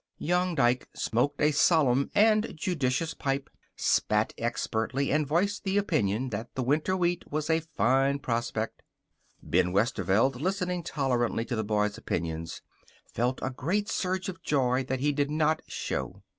Young Dike smoked a solemn and judicious pipe, spat expertly, and voiced the opinion that the winter wheat was a fine prospect Ben Westerveld, listening tolerantly to the boy's opinions, felt a great surge of joy that he did not show.